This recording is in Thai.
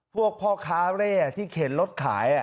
พวกพ่อค้าที่เขียนรถขาย